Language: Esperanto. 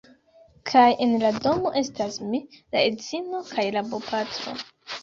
Kaj en la domo estas mi, la edzino kaj la bopatro.